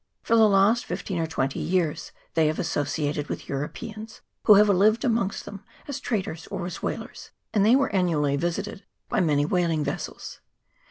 For the last fifteen or twenty years they have associated with Europeans, who have lived amongst them as traders or as whalers ; and they were annually visited by many whaling vessels.